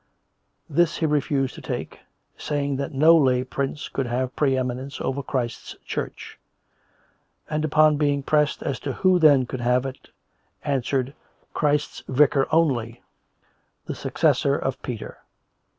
This he refused to take, saying that no lay prince could have pre eminence over Christ's Church; and, upon being pressed as to who then could have it, answered, Christ's Vicar only, the successor of Peter.